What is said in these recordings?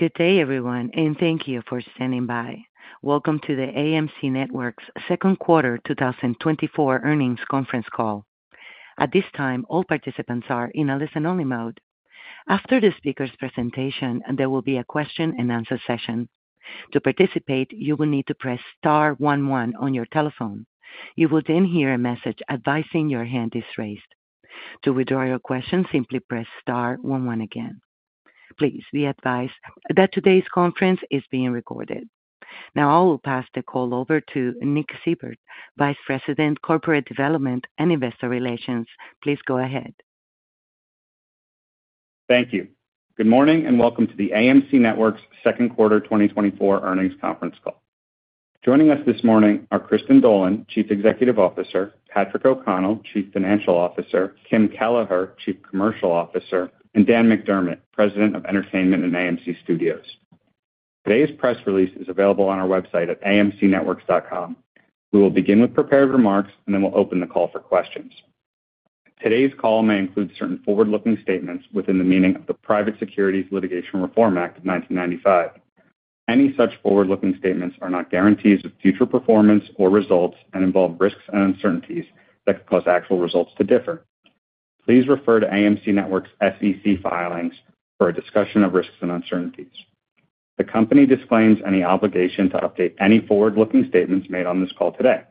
Good day, everyone, and thank you for standing by. Welcome to the AMC Networks Second Quarter 2024 Earnings Conference Call. At this time, all participants are in a listen-only mode. After the speaker's presentation, there will be a question-and-answer session. To participate, you will need to press star one one on your telephone. You will then hear a message advising your hand is raised. To withdraw your question, simply press star one one again. Please be advised that today's conference is being recorded. Now I will pass the call over to Nick Seibert, Vice President, Corporate Development and Investor Relations. Please go ahead. Thank you. Good morning, and welcome to the AMC Networks second quarter 2024 earnings conference call. Joining us this morning are Kristin Dolan, Chief Executive Officer; Patrick O'Connell, Chief Financial Officer; Kim Kelleher, Chief Commercial Officer; and Dan McDermott, President of Entertainment and AMC Studios. Today's press release is available on our website at amcnetworks.com. We will begin with prepared remarks, and then we'll open the call for questions. Today's call may include certain forward-looking statements within the meaning of the Private Securities Litigation Reform Act of 1995. Any such forward-looking statements are not guarantees of future performance or results and involve risks and uncertainties that could cause actual results to differ. Please refer to AMC Networks' SEC filings for a discussion of risks and uncertainties. The company disclaims any obligation to update any forward-looking statements made on this call today.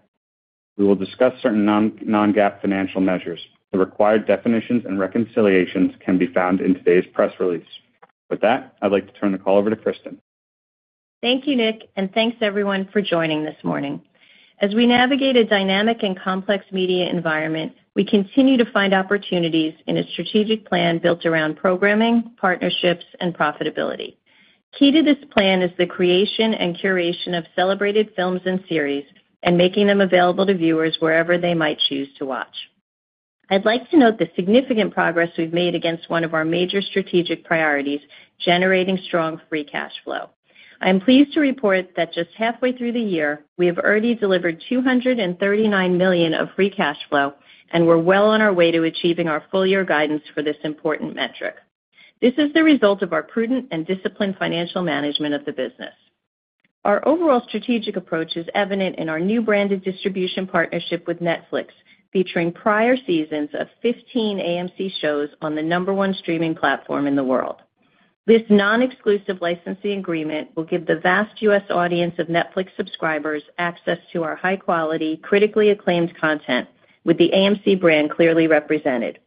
We will discuss certain non-GAAP financial measures. The required definitions and reconciliations can be found in today's press release. With that, I'd like to turn thecall over to Kristin. Thank you, Nick, and thanks everyone for joining this morning. As we navigate a dynamic and complex media environment, we continue to find opportunities in a strategic plan built around programming, partnerships, and profitability. Key to this plan is the creation and curation of celebrated films and series and making them available to viewers wherever they might choose to watch. I'd like to note the significant progress we've made against one of our major strategic priorities, generating strong free cash flow. I'm pleased to report that just halfway through the year, we have already delivered $239 million of free cash flow, and we're well on our way to achieving our full year guidance for this important metric. This is the result of our prudent and disciplined financial management of the business. Our overall strategic approach is evident in our new branded distribution partnership with Netflix, featuring prior seasons of 15 AMC shows on the number one streaming platform in the world. This non-exclusive licensing agreement will give the vast U.S. audience of Netflix subscribers access to our high-quality, critically acclaimed content with the AMC brand clearly represented.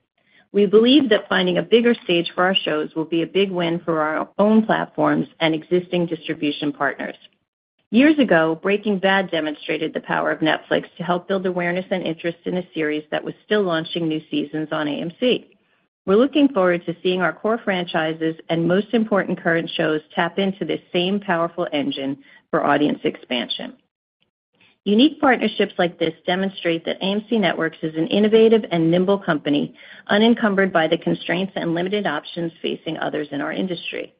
We believe that finding a bigger stage for our shows will be a big win for our own platforms and existing distribution partners. Years ago, Breaking Bad demonstrated the power of Netflix to help build awareness and interest in a series that was still launching new seasons on AMC. We're looking forward to seeing our core franchises and most important current shows tap into this same powerful engine for audience expansion. Unique partnerships like this demonstrate that AMC Networks is an innovative and nimble company, unencumbered by the constraints and limited options facing others in our industry.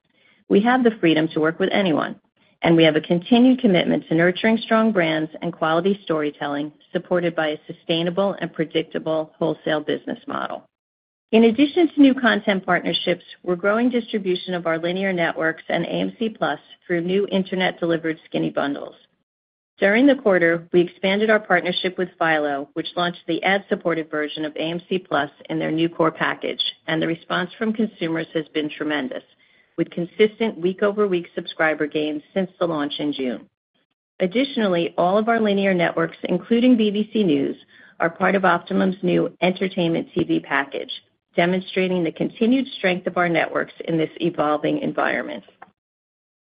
We have the freedom to work with anyone, and we have a continued commitment to nurturing strong brands and quality storytelling, supported by a sustainable and predictable wholesale business model. In addition to new content partnerships, we're growing distribution of our linear networks and AMC+ through new internet-delivered skinny bundles. During the quarter, we expanded our partnership with Philo, which launched the ad-supported version of AMC+ in their new core package, and the response from consumers has been tremendous, with consistent week-over-week subscriber gains since the launch in June. Additionally, all of our linear networks, including BBC News, are part of Optimum's new entertainment TV package, demonstrating the continued strength of our networks in this evolving environment.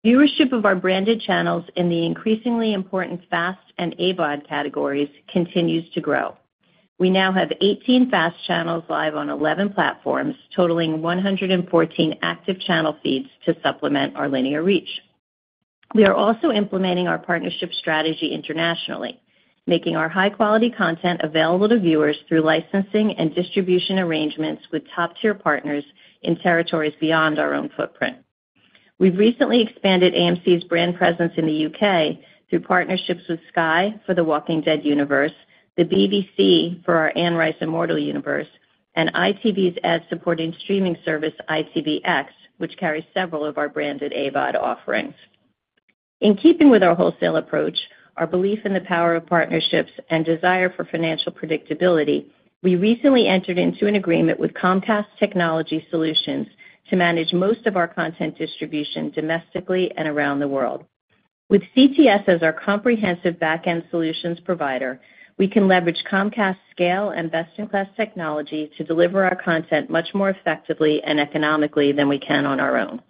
Viewership of our branded channels in the increasingly important FAST and AVOD categories continues to grow. We now have 18 FAST channels live on 11 platforms, totaling 114 active channel feeds to supplement our linear reach. We are also implementing our partnership strategy internationally, making our high-quality content available to viewers through licensing and distribution arrangements with top-tier partners in territories beyond our own footprint. We've recently expanded AMC's brand presence in the U.K. through partnerships with Sky for The Walking Dead Universe, the BBC for our Anne Rice Immortal Universe, and ITV's ad-supported streaming service, ITVX, which carries several of our branded AVOD offerings. In keeping with our wholesale approach, our belief in the power of partnerships, and desire for financial predictability, we recently entered into an agreement with Comcast Technology Solutions to manage most of our content distribution domestically and around the world. With CTS as our comprehensive backend solutions provider, we can leverage Comcast's scale and best-in-class technology to deliver our content much more effectively and economically than we can on our own.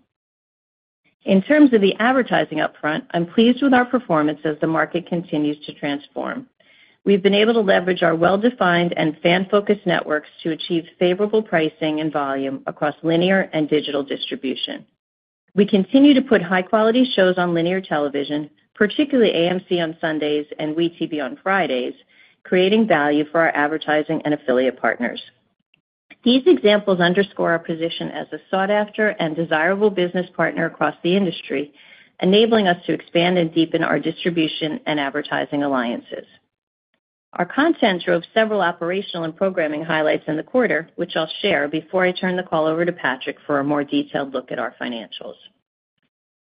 In terms of the advertising upfront, I'm pleased with our performance as the market continues to transform. We've been able to leverage our well-defined and fan-focused networks to achieve favorable pricing and volume across linear and digital distribution. We continue to put high-quality shows on linear television, particularly AMC and WE tv on Fridays, creating value for our advertising and affiliate partners. These examples underscore our position as a sought-after and desirable business partner across the industry, enabling us to expand and deepen our distribution and advertising alliances. Our content drove several operational and programming highlights in the quarter, which I'll share before I turn the call over to Patrick for a more detailed look at our financials.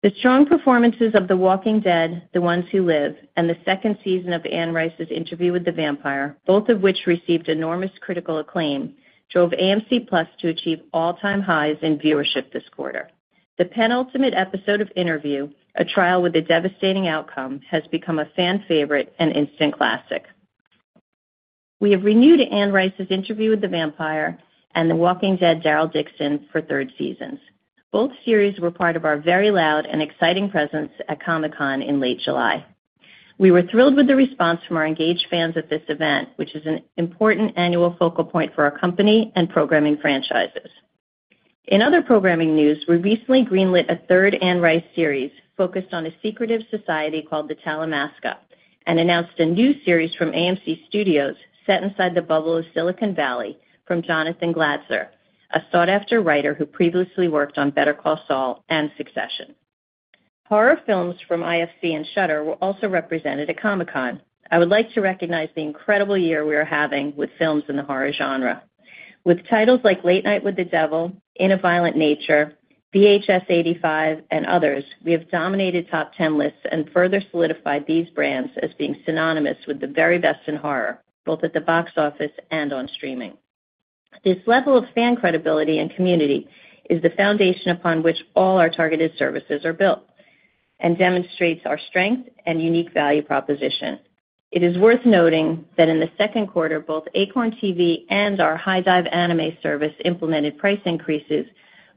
The strong performances of The Walking Dead: The Ones Who Live, and the second season of Anne Rice's Interview with the Vampire, both of which received enormous critical acclaim, drove AMC+ to achieve all-time highs in viewership this quarter. The penultimate episode of Interview, a trial with a devastating outcome has become a fan favorite and instant classic. We have renewed Anne Rice's Interview with the Vampire and The Walking Dead: Daryl Dixon for third seasons. Both series were part of our very loud and exciting presence at Comic-Con in late July. We were thrilled with the response from our engaged fans at this event, which is an important annual focal point for our company and programming franchises. In other programming news, we recently greenlit a third Anne Rice series focused on a secretive society called the Talamasca, and announced a new series from AMC Studios set inside the bubble of Silicon Valley from Jonathan Glatzer, a sought-after writer who previously worked on Better Call Saul and Succession. Horror films from IFC and Shudder were also represented at Comic-Con. I would like to recognize the incredible year we are having with films in the horror genre. With titles like Late Night with the Devil, In a Violent Nature, V/H/S/85, and others, we have dominated top ten lists and further solidified these brands as being synonymous with the very best in horror, both at the box office and on streaming. This level of fan credibility and community is the foundation upon which all our targeted services are built and demonstrates our strength and unique value proposition. It is worth noting that in the second quarter, both Acorn TV and our HIDIVE anime service implemented price increases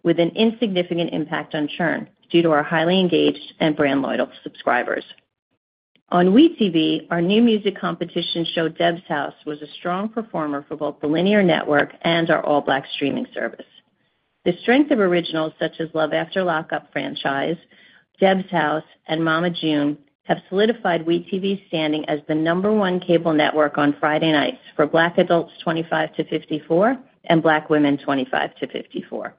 with an insignificant impact on churn due to our highly engaged and brand loyal subscribers. On WE tv, our new music competition show, Deb's House, was a strong performer for both the linear network and our ALLBLK streaming service. The strength of originals such as Love After Lockup franchise, Deb's House, and Mama June have solidified WE tv's standing as the number one cable network on Friday nights for Black adults, 25-54, and Black women, 25-54.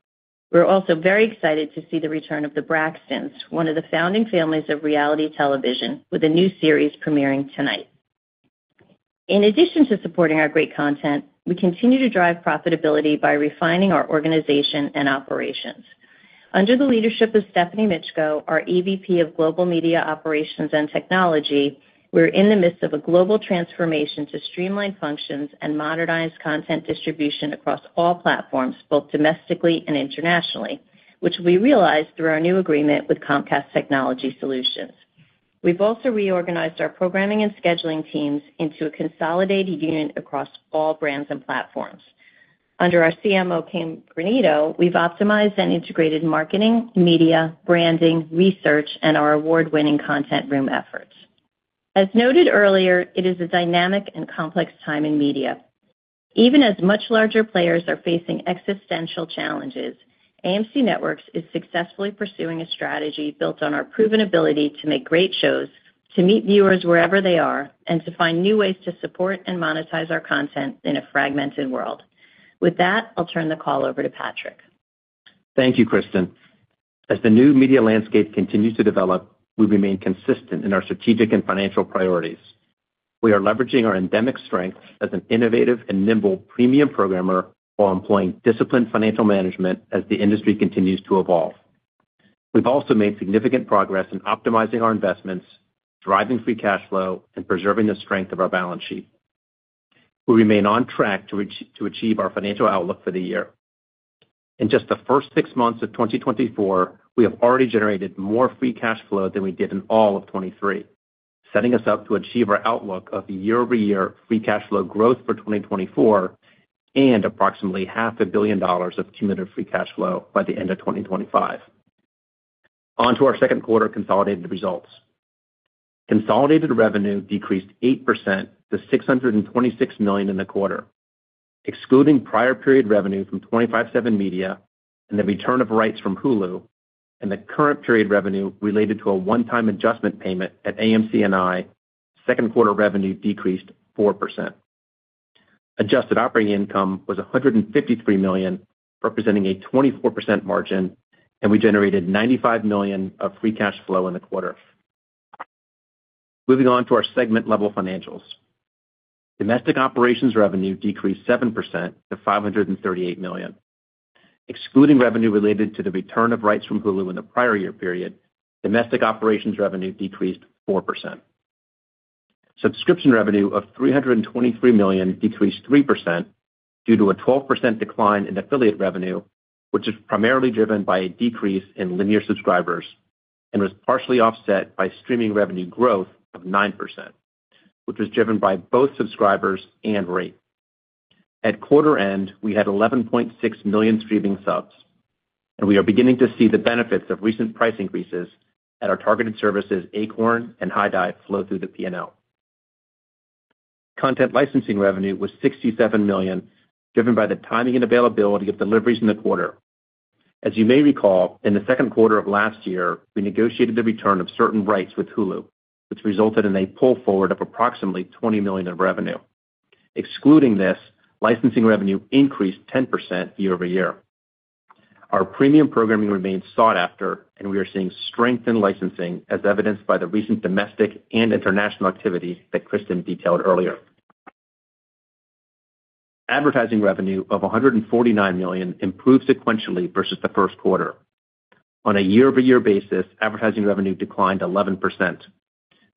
We're also very excited to see the return of the Braxtons, one of the founding families of reality television, with a new series premiering tonight. In addition to supporting our great content, we continue to drive profitability by refining our organization and operations. Under the leadership of Stephanie Mitchko, our EVP of Global Media Operations and Technology, we're in the midst of a global transformation to streamline functions and modernize content distribution across all platforms, both domestically and internationally, which we realized through our new agreement with Comcast Technology Solutions. We've also reorganized our programming and scheduling teams into a consolidated unit across all brands and platforms. Under our CMO, Kim Granito, we've optimized and integrated marketing, media, branding, research, and our award-winning Content Room efforts. As noted earlier, it is a dynamic and complex time in media. Even as much larger players are facing existential challenges, AMC Networks is successfully pursuing a strategy built on our proven ability to make great shows, to meet viewers wherever they are, and to find new ways to support and monetize our content in a fragmented world. With that, I'll turn the call over to Patrick. Thank you, Kristin. As the new media landscape continues to develop, we remain consistent in our strategic and financial priorities. We are leveraging our endemic strength as an innovative and nimble premium programmer, while employing disciplined financial management as the industry continues to evolve. We've also made significant progress in optimizing our investments, driving free cash flow, and preserving the strength of our balance sheet. We remain on track to achieve our financial outlook for the year. In just the first six months of 2024, we have already generated more free cash flow than we did in all of 2023, setting us up to achieve our outlook of year-over-year free cash flow growth for 2024 and approximately $500 million of cumulative free cash flow by the end of 2025. On to our second quarter consolidated results. Consolidated revenue decreased 8% to $626 million in the quarter. Excluding prior period revenue from 25/7 Media and the return of rights from Hulu, and the current period revenue related to a one-time adjustment payment at AMCNI, second quarter revenue decreased 4%. Adjusted operating income was $153 million, representing a 24% margin, and we generated $95 million of free cash flow in the quarter. Moving on to our segment level financials. Domestic operations revenue decreased 7% to $538 million. Excluding revenue related to the return of rights from Hulu in the prior year period, domestic operations revenue decreased 4%. Subscription revenue of $323 million decreased 3% due to a 12% decline in affiliate revenue, which is primarily driven by a decrease in linear subscribers and was partially offset by streaming revenue growth of 9%, which was driven by both subscribers and rate. At quarter end, we had 11.6 million streaming subs, and we are beginning to see the benefits of recent price increases at our targeted services, Acorn and HIDIVE, flow through the P&L. Content licensing revenue was $67 million, driven by the timing and availability of deliveries in the quarter. As you may recall, in the second quarter of last year, we negotiated the return of certain rights with Hulu, which resulted in a pull forward of approximately $20 million of revenue. Excluding this, licensing revenue increased 10% year-over-year. Our premium programming remains sought after, and we are seeing strength in licensing as evidenced by the recent domestic and international activities that Kristin detailed earlier. Advertising revenue of $149 million improved sequentially versus the first quarter. On a year-over-year basis, advertising revenue declined 11%.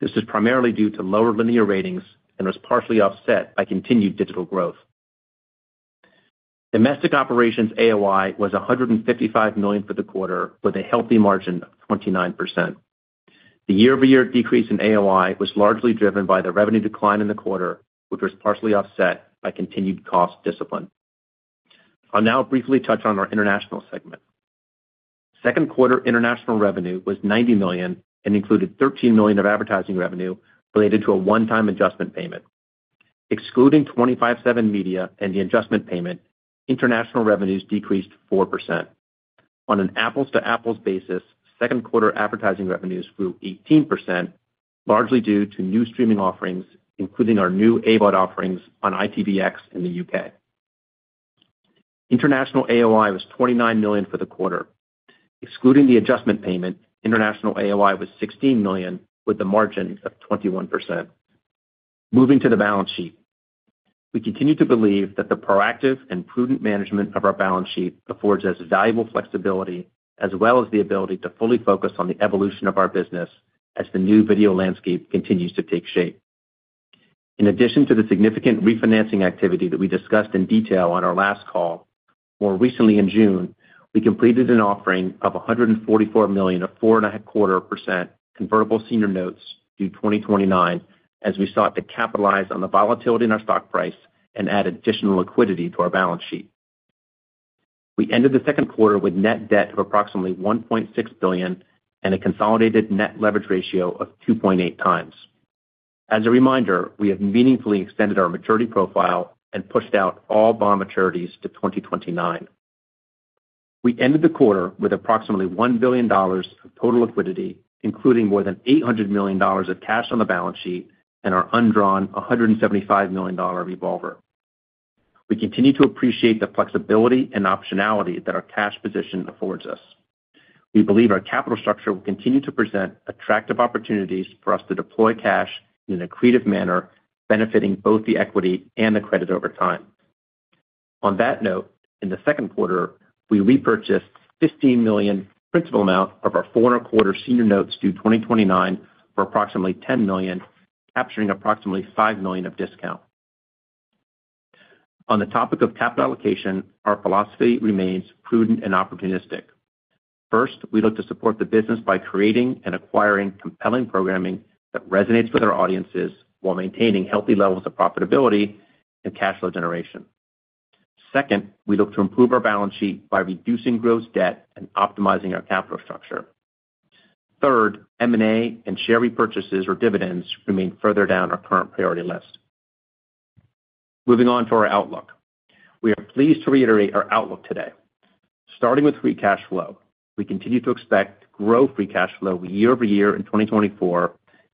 This is primarily due to lower linear ratings and was partially offset by continued digital growth. Domestic operations AOI was $155 million for the quarter, with a healthy margin of 29%. The year-over-year decrease in AOI was largely driven by the revenue decline in the quarter, which was partially offset by continued cost discipline. I'll now briefly touch on our international segment. Second quarter international revenue was $90 million and included $13 million of advertising revenue related to a one-time adjustment payment. Excluding 25/7 Media and the adjustment payment, international revenues decreased 4%. On an apples-to-apples basis, second quarter advertising revenues grew 18%, largely due to new streaming offerings, including our new AVOD offerings on ITVX in the UK. International AOI was $29 million for the quarter. Excluding the adjustment payment, international AOI was $16 million, with the margins of 21%. Moving to the balance sheet. We continue to believe that the proactive and prudent management of our balance sheet affords us valuable flexibility, as well as the ability to fully focus on the evolution of our business as the new video landscape continues to take shape. In addition to the significant refinancing activity that we discussed in detail on our last call, more recently in June, we completed an offering of $144 million of 4.25% convertible senior notes due 2029, as we sought to capitalize on the volatility in our stock price and add additional liquidity to our balance sheet. We ended the second quarter with net debt of approximately $1.6 billion and a consolidated net leverage ratio of 2.8 times. As a reminder, we have meaningfully extended our maturity profile and pushed out all bond maturities to 2029. We ended the quarter with approximately $1 billion of total liquidity, including more than $800 million of cash on the balance sheet and our undrawn $175 million revolver. We continue to appreciate the flexibility and optionality that our cash position affords us. We believe our capital structure will continue to present attractive opportunities for us to deploy cash in an accretive manner, benefiting both the equity and the credit over time. On that note, in the second quarter, we repurchased $15 million principal amount of our 4.25% senior notes due 2029 for approximately $10 million, capturing approximately $5 million of discount. On the topic of capital allocation, our philosophy remains prudent and opportunistic. First, we look to support the business by creating and acquiring compelling programming that resonates with our audiences while maintaining healthy levels of profitability and cash flow generation. Second, we look to improve our balance sheet by reducing gross debt and optimizing our capital structure. Third, M&A and share repurchases or dividends remain further down our current priority list. Moving on to our outlook. We are pleased to reiterate our outlook today. Starting with free cash flow, we continue to expect growth free cash flow year over year in 2024,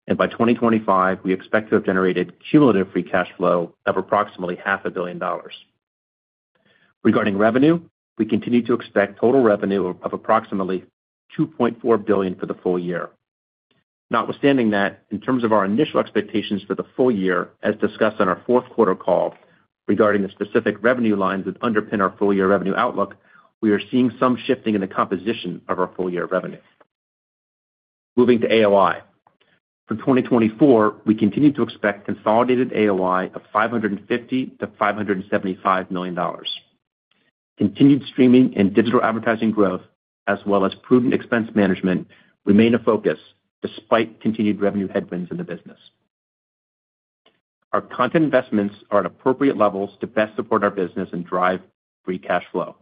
and by 2025, we expect to have generated cumulative free cash flow of approximately $500 million. Regarding revenue, we continue to expect total revenue of approximately $2.4 billion for the full year. Notwithstanding that, in terms of our initial expectations for the full year, as discussed on our fourth quarter call, regarding the specific revenue lines that underpin our full year revenue outlook, we are seeing some shifting in the composition of our full year revenue. Moving to AOI. For 2024, we continue to expect consolidated AOI of $550 million-$575 million. Continued streaming and digital advertising growth, as well as prudent expense management, remain a focus despite continued revenue headwinds in the business. Our content investments are at appropriate levels to best support our business and drive free cash flow.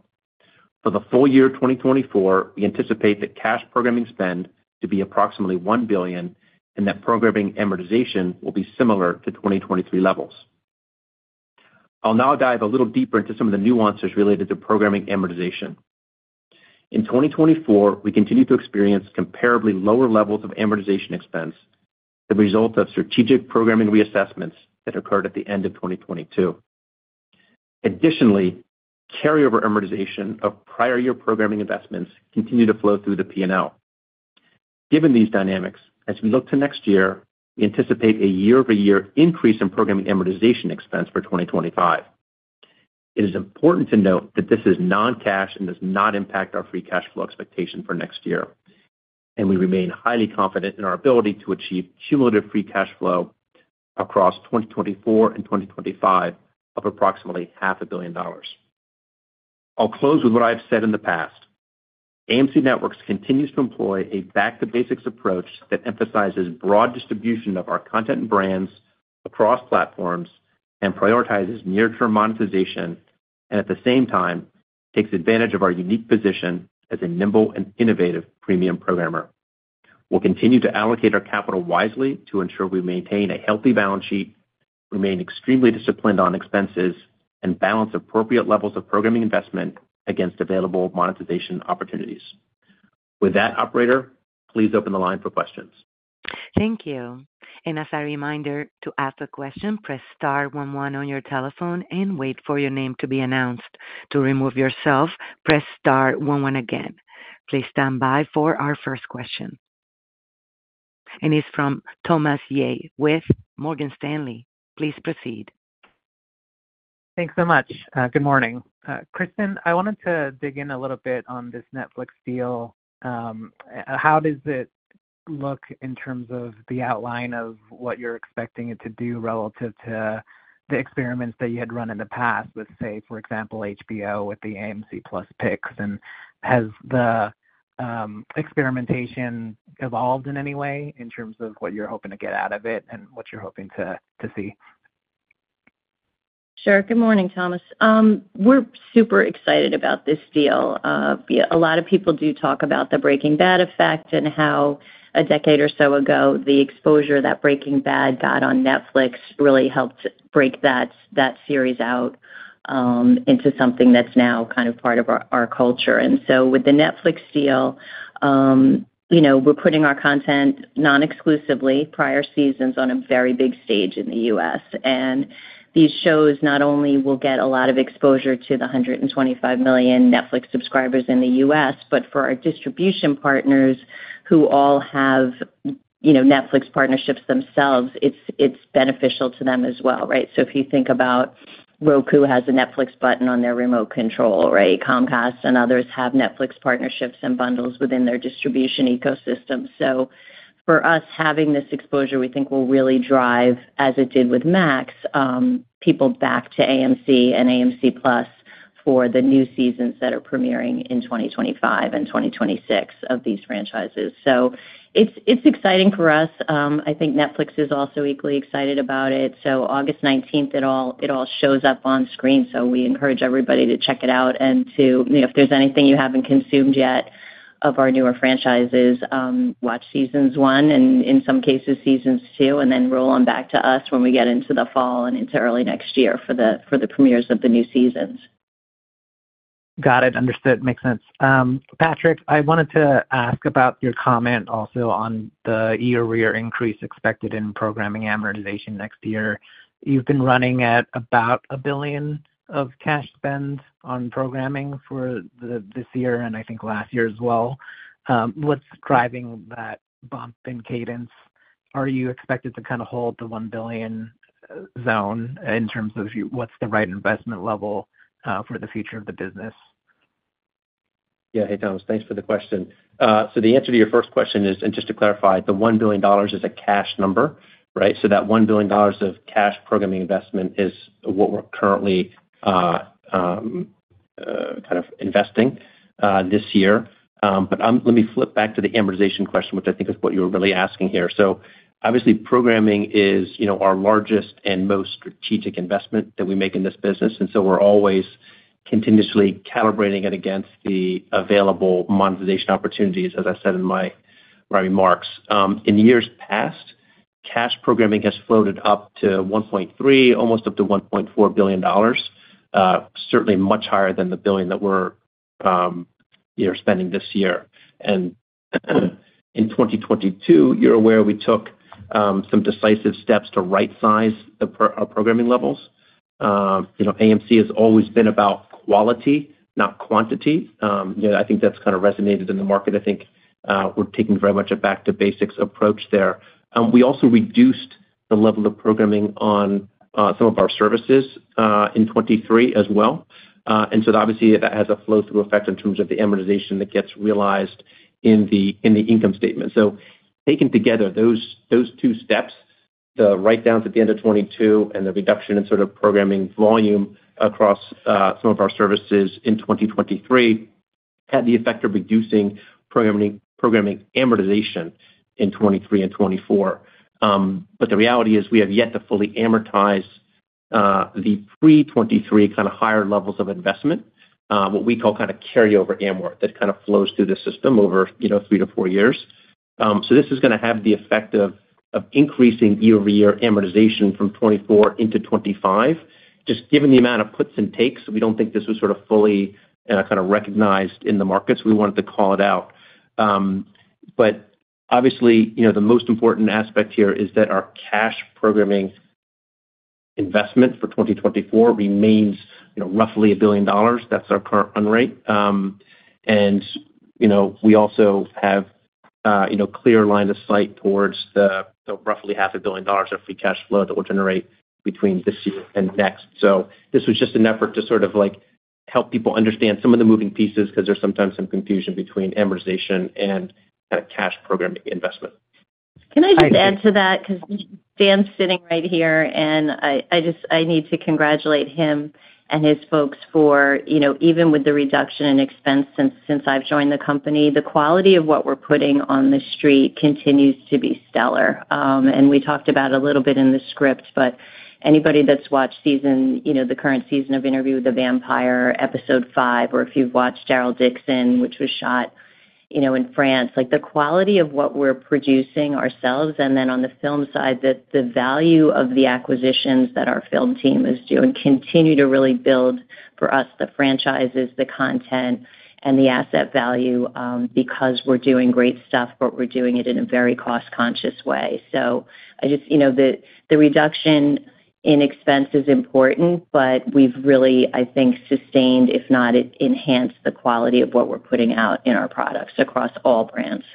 For the full year 2024, we anticipate that cash programming spend to be approximately $1 billion and that programming amortization will be similar to 2023 levels. I'll now dive a little deeper into some of the nuances related to programming amortization. In 2024, we continue to experience comparably lower levels of amortization expense, the result of strategic programming reassessments that occurred at the end of 2022. Additionally, carryover amortization of prior year programming investments continue to flow through the P&L. Given these dynamics, as we look to next year, we anticipate a year-over-year increase in programming amortization expense for 2025. It is important to note that this is non-cash and does not impact our free cash flow expectation for next year, and we remain highly confident in our ability to achieve cumulative free cash flow across 2024 and 2025 of approximately $500 million. I'll close with what I've said in the past. AMC Networks continues to employ a back-to-basics approach that emphasizes broad distribution of our content and brands across platforms and prioritizes near-term monetization, and at the same time, takes advantage of our unique position as a nimble and innovative premium programmer. We'll continue to allocate our capital wisely to ensure we maintain a healthy balance sheet, remain extremely disciplined on expenses, and balance appropriate levels of programming investment against available monetization opportunities... With that, operator, please open the line for questions. Thank you. As a reminder, to ask a question, press star one one on your telephone and wait for your name to be announced. To remove yourself, press star one one again. Please stand by for our first question. It's from Thomas Yeh with Morgan Stanley. Please proceed. Thanks so much. Good morning. Kristin, I wanted to dig in a little bit on this Netflix deal. How does it look in terms of the outline of what you're expecting it to do relative to the experiments that you had run in the past with, say, for example, HBO with the AMC+ picks? And has the experimentation evolved in any way in terms of what you're hoping to get out of it and what you're hoping to, to see? Sure. Good morning, Thomas. We're super excited about this deal. A lot of people do talk about the Breaking Bad effect and how a decade or so ago, the exposure that Breaking Bad got on Netflix really helped break that, that series out, into something that's now kind of part of our, our culture. And so with the Netflix deal, you know, we're putting our content, non-exclusively, prior seasons, on a very big stage in the U.S. And these shows not only will get a lot of exposure to the 125 million Netflix subscribers in the U.S., but for our distribution partners who all have, you know, Netflix partnerships themselves, it's beneficial to them as well, right? So if you think about Roku has a Netflix button on their remote control, right? Comcast and others have Netflix partnerships and bundles within their distribution ecosystem. So for us, having this exposure, we think will really drive, as it did with Max, people back to AMC and AMC+ for the new seasons that are premiering in 2025 and 2026 of these franchises. So it's, it's exciting for us. I think Netflix is also equally excited about it. So August 19, it all, it all shows up on screen, so we encourage everybody to check it out and to, you know, if there's anything you haven't consumed yet of our newer franchises, watch seasons one, and in some cases, seasons two, and then roll on back to us when we get into the fall and into early next year for the, for the premieres of the new seasons. Got it. Understood. Makes sense. Patrick, I wanted to ask about your comment also on the year-over-year increase expected in programming amortization next year. You've been running at about $1 billion of cash spend on programming for this year, and I think last year as well. What's driving that bump in cadence? Are you expected to kind of hold the $1 billion zone in terms of what's the right investment level for the future of the business? Yeah. Hey, Thomas, thanks for the question. So the answer to your first question is, and just to clarify, the $1 billion is a cash number, right? So that $1 billion of cash programming investment is what we're currently kind of investing this year. But let me flip back to the amortization question, which I think is what you're really asking here. So obviously, programming is, you know, our largest and most strategic investment that we make in this business, and so we're always continuously calibrating it against the available monetization opportunities, as I said in my remarks. In years past, cash programming has floated up to $1.3 billion, almost up to $1.4 billion, certainly much higher than the $1 billion that we're, you know, spending this year. In 2022, you're aware we took some decisive steps to rightsize our programming levels. You know, AMC has always been about quality, not quantity. You know, I think that's kind of resonated in the market. I think we're taking very much a back to basics approach there. We also reduced the level of programming on some of our services in 2023 as well. And so obviously, that has a flow-through effect in terms of the amortization that gets realized in the income statement. So taken together, those, those two steps, the write-downs at the end of 2022 and the reduction in sort of programming volume across some of our services in 2023, had the effect of reducing programming, programming amortization in 2023 and 2024. But the reality is, we have yet to fully amortize the pre-2023 kind of higher levels of investment, what we call kind of carryover amort, that kind of flows through the system over, you know, 3 to 4 years. So this is gonna have the effect of increasing year-over-year amortization from 2024 into 2025. Just given the amount of puts and takes, we don't think this was sort of fully kind of recognized in the markets, so we wanted to call it out. But obviously, you know, the most important aspect here is that our cash programming investment for 2024 remains, you know, roughly $1 billion. That's our current run rate. You know, we also have, you know, clear line of sight towards the roughly $500 million of Free Cash Flow that we'll generate between this year and next. So this was just an effort to sort of, like, help people understand some of the moving pieces, because there's sometimes some confusion between amortization and kind of cash programming investment. Can I just add to that? Because Dan's sitting right here, and I just need to congratulate him and his folks for, you know, even with the reduction in expense since I've joined the company, the quality of what we're putting on the street continues to be stellar. And we talked about a little bit in the script, but anybody that's watched season, you know, the current season of Interview with the Vampire, episode five, or if you've watched Daryl Dixon, which was shot, you know, in France, like, the quality of what we're producing ourselves, and then on the film side, that the value of the acquisitions that our film team is doing continue to really build for us, the franchises, the content, and the asset value, because we're doing great stuff, but we're doing it in a very cost-conscious way. I just, you know, the reduction in expense is important, but we've really, I think, sustained, if not enhanced, the quality of what we're putting out in our products across all brands.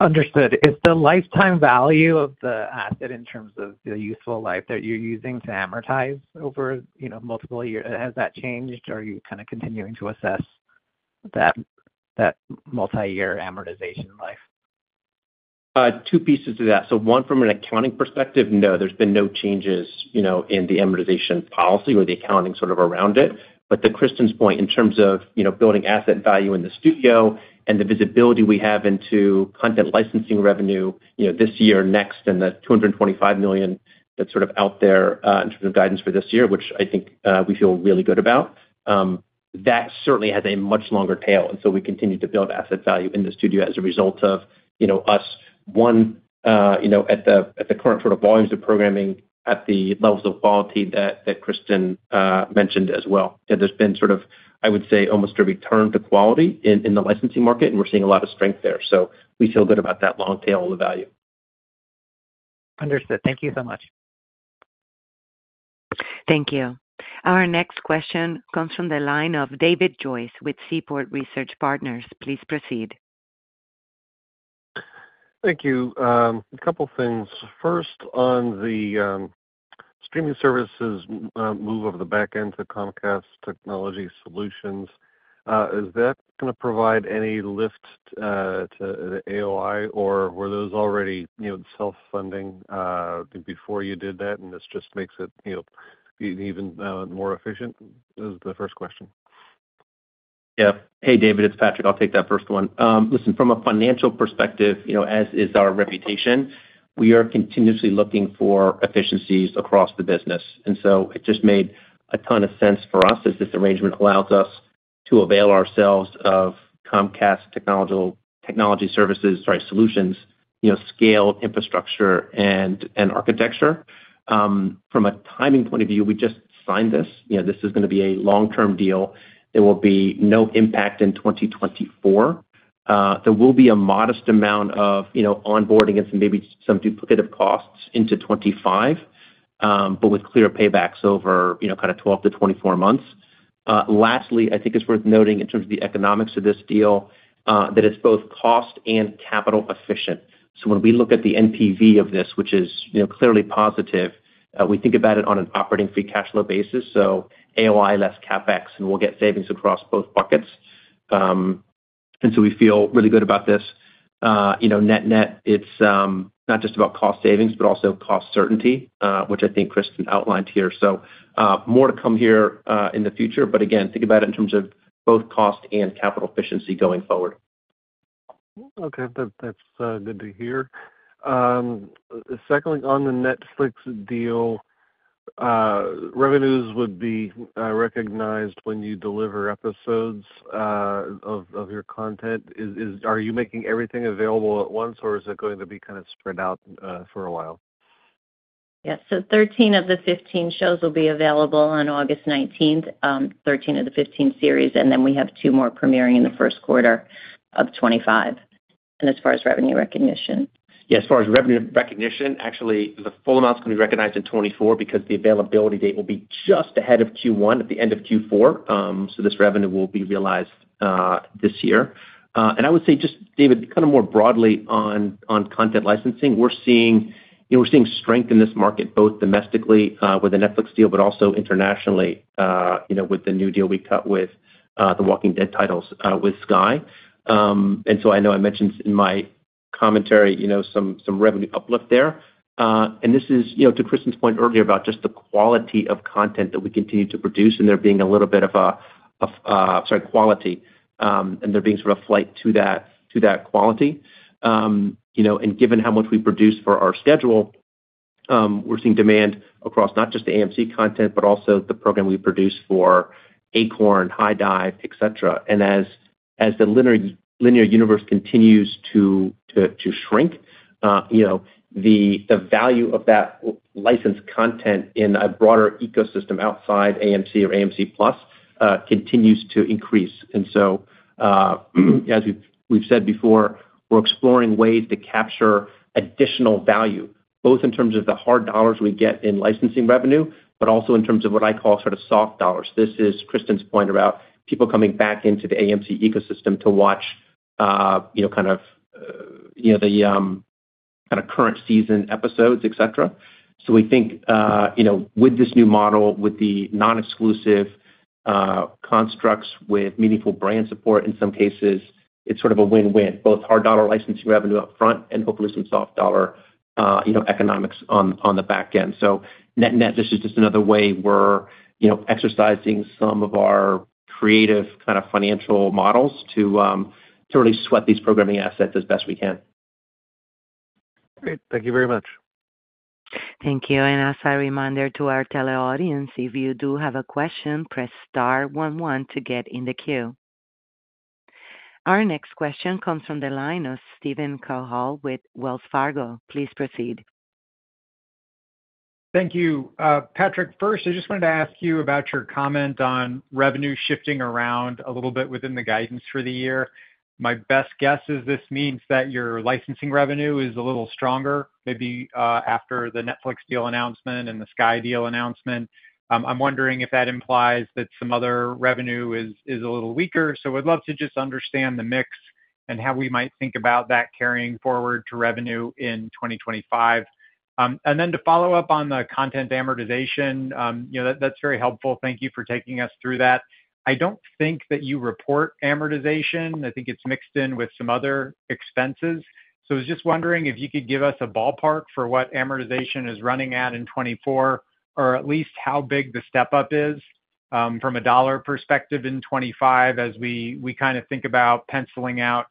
Understood. Is the lifetime value of the asset in terms of the useful life that you're using to amortize over, you know, multiple years, has that changed, or are you kinda continuing to assess that, that multi-year amortization life? Two pieces to that. So one, from an accounting perspective, no, there's been no changes, you know, in the amortization policy or the accounting sort of around it. But to Kristin's point, in terms of, you know, building asset value in the studio and the visibility we have into content licensing revenue, you know, this year, next, and the $225 million that's sort of out there, in terms of guidance for this year, which I think, we feel really good about, that certainly has a much longer tail. And so we continue to build asset value in the studio as a result of, you know, us, one, you know, at the, at the current sort of volumes of programming, at the levels of quality that, that Kristin, mentioned as well. There's been sort of, I would say, almost a return to quality in the licensing market, and we're seeing a lot of strength there. So we feel good about that long tail of the value. Understood. Thank you so much. Thank you. Our next question comes from the line of David Joyce with Seaport Research Partners. Please proceed. Thank you. A couple of things. First, on the streaming services move over the back end to Comcast Technology Solutions, is that gonna provide any lift to the AOI, or were those already, you know, self-funding before you did that, and this just makes it, you know, even more efficient? This is the first question. Yeah. Hey, David, it's Patrick. I'll take that first one. Listen, from a financial perspective, you know, as is our reputation, we are continuously looking for efficiencies across the business. And so it just made a ton of sense for us as this arrangement allows us to avail ourselves of Comcast Technology Solutions, you know, scale, infrastructure, and architecture. From a timing point of view, we just signed this. You know, this is gonna be a long-term deal. There will be no impact in 2024. There will be a modest amount of, you know, onboarding and maybe some duplicative costs into 2025, but with clear paybacks over, you know, kinda 12-24 months. Lastly, I think it's worth noting in terms of the economics of this deal, that it's both cost and capital efficient. So when we look at the NPV of this, which is, you know, clearly positive, we think about it on an operating free cash flow basis, so AOI, less CapEx, and we'll get savings across both buckets. And so we feel really good about this. You know, net-net, it's not just about cost savings, but also cost certainty, which I think Kristin outlined here. So, more to come here, in the future, but again, think about it in terms of both cost and capital efficiency going forward. Okay. That's good to hear. Secondly, on the Netflix deal, revenues would be recognized when you deliver episodes of your content. Are you making everything available at once, or is it going to be kind of spread out for a while? Yes. So 13 of the 15 shows will be available on August 19, 13 of the 15 series, and then we have two more premiering in the first quarter of 2025. And as far as revenue recognition? Yeah, as far as revenue recognition, actually, the full amount is gonna be recognized in 2024 because the availability date will be just ahead of Q1, at the end of Q4, so this revenue will be realized this year. And I would say just, David, kinda more broadly on content licensing, we're seeing, you know, we're seeing strength in this market, both domestically with the Netflix deal, but also internationally, you know, with the new deal we cut with The Walking Dead titles with Sky. And so I know I mentioned in my commentary, you know, some, some revenue uplift there. And this is, you know, to Kristin's point earlier about just the quality of content that we continue to produce, and there being a little bit of a flight to that quality. You know, and given how much we produce for our schedule, we're seeing demand across not just the AMC content, but also the program we produce for Acorn, HIDIVE, et cetera. And as the linear universe continues to shrink, you know, the value of that licensed content in a broader ecosystem outside AMC or AMC+ continues to increase. As we've said before, we're exploring ways to capture additional value, both in terms of the hard dollars we get in licensing revenue, but also in terms of what I call sort of soft dollars. This is Kristin's point about people coming back into the AMC ecosystem to watch, you know, kind of, you know, the kinda current season episodes, et cetera. So we think, you know, with this new model, with the non-exclusive constructs, with meaningful brand support, in some cases, it's sort of a win-win, both hard dollar licensing revenue upfront and hopefully some soft dollar, you know, economics on the back end. So net-net, this is just another way we're, you know, exercising some of our creative kinda financial models to really sweat these programming assets as best we can. Great. Thank you very much. Thank you. As a reminder to our teleaudience, if you do have a question, press star one one to get in the queue. Our next question comes from the line of Steven Cahall with Wells Fargo. Please proceed. Thank you. Patrick, first, I just wanted to ask you about your comment on revenue shifting around a little bit within the guidance for the year. My best guess is this means that your licensing revenue is a little stronger, maybe, after the Netflix deal announcement and the Sky deal announcement. I'm wondering if that implies that some other revenue is, is a little weaker. So I'd love to just understand the mix and how we might think about that carrying forward to revenue in 2025. And then to follow up on the content amortization, you know, that's very helpful. Thank you for taking us through that. I don't think that you report amortization. I think it's mixed in with some other expenses. I was just wondering if you could give us a ballpark for what amortization is running at in 2024, or at least how big the step-up is, from a dollar perspective in 2025, as we kind of think about penciling out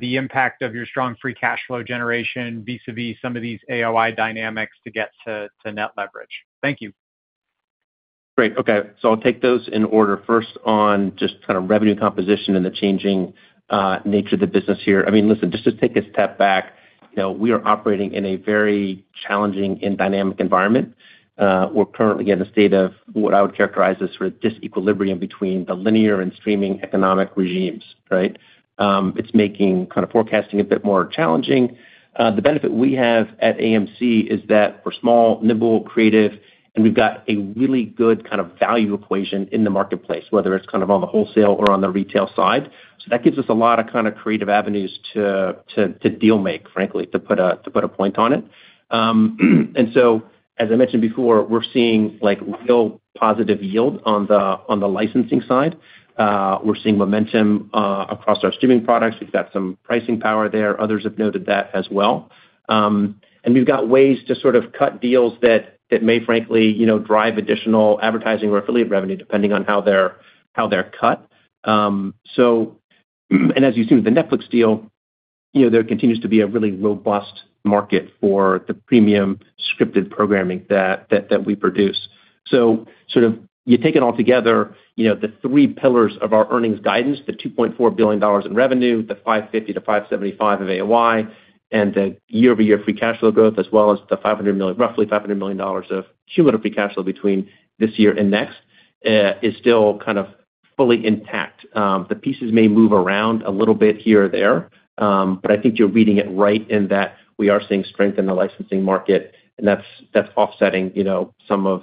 the impact of your strong Free Cash Flow generation vis-a-vis some of these AOI dynamics to get to net leverage. Thank you. Great. Okay, so I'll take those in order. First, on just kind of revenue composition and the changing, nature of the business here. I mean, listen, just to take a step back, you know, we are operating in a very challenging and dynamic environment. We're currently in a state of what I would characterize as sort of disequilibrium between the linear and streaming economic regimes, right? It's making kind of forecasting a bit more challenging. The benefit we have at AMC is that we're small, nimble, creative, and we've got a really good kind of value equation in the marketplace, whether it's kind of on the wholesale or on the retail side. So that gives us a lot of kind of creative avenues to deal make, frankly, to put a point on it. And so, as I mentioned before, we're seeing, like, real positive yield on the licensing side. We're seeing momentum across our streaming products. We've got some pricing power there. Others have noted that as well. And we've got ways to sort of cut deals that may frankly, you know, drive additional advertising or affiliate revenue, depending on how they're cut. So, and as you see with the Netflix deal, you know, there continues to be a really robust market for the premium scripted programming that we produce. So sort of you take it all together, you know, the three pillars of our earnings guidance, the $2.4 billion in revenue, the $550 million-$575 million of AOI, and the year-over-year free cash flow growth, as well as the $500 million—roughly $500 million of cumulative free cash flow between this year and next, is still kind of fully intact. The pieces may move around a little bit here or there, but I think you're reading it right in that we are seeing strength in the licensing market, and that's, that's offsetting, you know, some of,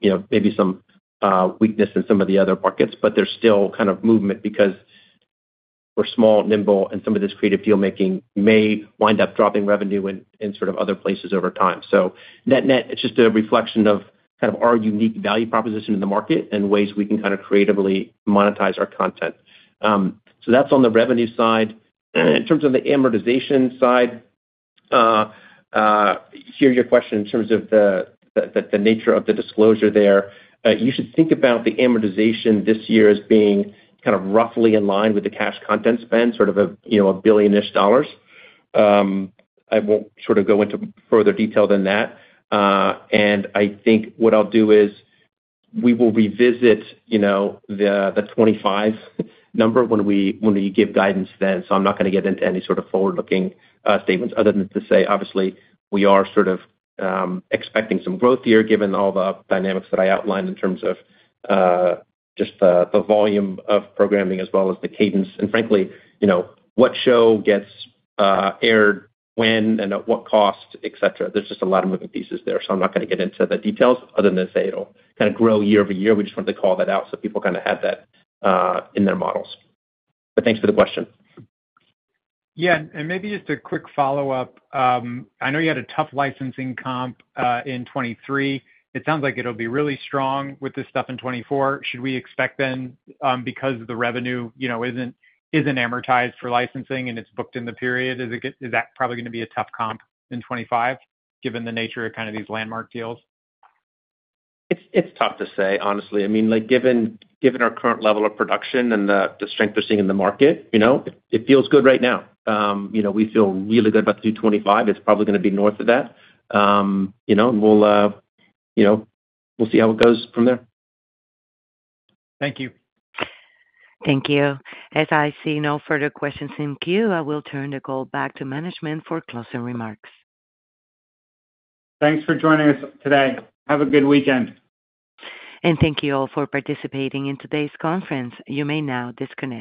you know, maybe some, weakness in some of the other markets. But there's still kind of movement because we're small, nimble, and some of this creative deal making may wind up dropping revenue in, in sort of other places over time. So net-net, it's just a reflection of kind of our unique value proposition in the market and ways we can kind of creatively monetize our content. So that's on the revenue side. In terms of the amortization side, hear your question in terms of the nature of the disclosure there. You should think about the amortization this year as being kind of roughly in line with the cash content spend, sort of a, you know, $1 billion-ish. I won't sort of go into further detail than that. And I think what I'll do is we will revisit, you know, the, the 25 number when we, when we give guidance then, so I'm not going to get into any sort of forward-looking, statements other than to say, obviously, we are sort of, expecting some growth here, given all the dynamics that I outlined in terms of, just the, the volume of programming as well as the cadence. And frankly, you know, what show gets, aired when and at what cost, et cetera. There's just a lot of moving pieces there, so I'm not going to get into the details other than to say it'll kind of grow year-over-year. We just wanted to call that out so people kind of have that, in their models. But thanks for the question. Yeah, and maybe just a quick follow-up. I know you had a tough licensing comp in 2023. It sounds like it'll be really strong with this stuff in 2024. Should we expect then, because the revenue, you know, isn't amortized for licensing and it's booked in the period, is that probably going to be a tough comp in 2025, given the nature of kind of these landmark deals? It's tough to say, honestly. I mean, like, given our current level of production and the strength we're seeing in the market, you know, it feels good right now. You know, we feel really good about the 25. It's probably gonna be north of that. You know, we'll see how it goes from there. Thank you. Thank you. As I see no further questions in queue, I will turn the call back to management for closing remarks. Thanks for joining us today. Have a good weekend. Thank you all for participating in today's conference. You may now disconnect.